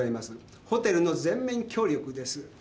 ホテルの全面協力です。